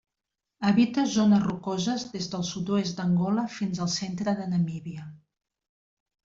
Habita zones rocoses des del sud-oest d'Angola fins al centre de Namíbia.